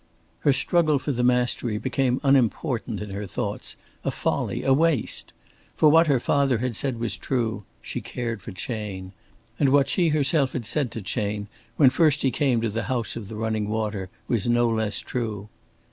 Her struggle for the mastery became unimportant in her thoughts a folly, a waste. For what her father had said was true; she cared for Chayne. And what she herself had said to Chayne when first he came to the House of the Running Water was no less true.